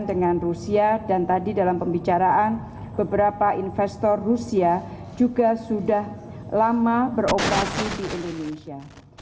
dan dengan rusia dan tadi dalam pembicaraan beberapa investor rusia juga sudah lama beroperasi di indonesia